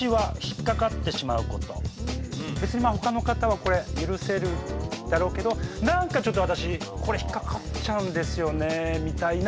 別にほかの方はこれ許せるだろうけど何かちょっと私これ引っかかっちゃうんですよねみたいな。